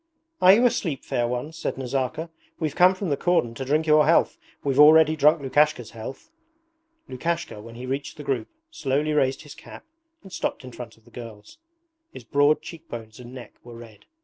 'Are you asleep, fair ones?' said Nazarka. 'We've come from the cordon to drink your health. We've already drunk Lukashka's health.' Lukashka, when he reached the group, slowly raised his cap and stopped in front of the girls. His broad cheekbones and neck were red.